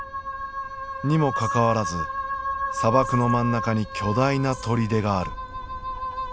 にもかかわらず砂漠の真ん中に巨大な砦がある。